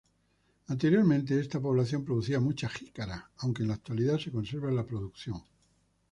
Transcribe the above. Anteriormente esta población producía mucha jícara aunque en actualidad se conserva la producción.